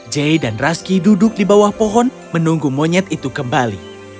jay dan raski duduk di bawah pohon menunggu monyet itu kembali